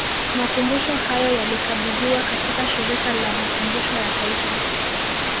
Makumbusho hayo yalikabidhiwa katika Shirika la Makumbusho ya Taifa